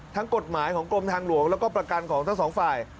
กฎหมายของกรมทางหลวงแล้วก็ประกันของทั้งสองฝ่าย